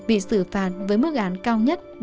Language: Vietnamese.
vì xử phạt với mức án cao nhất